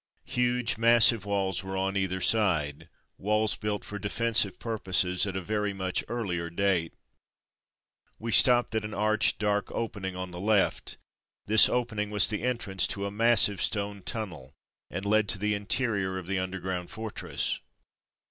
Huge, massive walls were on either side; walls built for defensive purposes at a very much earlier date. We stopped before an arched, dark opening on the left. This opening was the entrance to a massive stone tunnel, and led to the interior of the underground fortress.